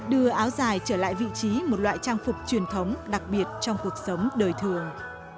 đưa áo dài trở lại vị trí một loại trang phục truyền thống đặc biệt trong cuộc sống đời thường